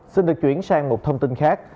xin được chuyển sang một thông tin khác